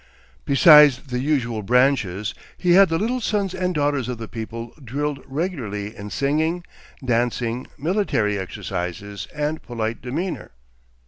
Besides the usual branches, he had the little sons and daughters of the people drilled regularly in singing, dancing, military exercises, and polite demeanor.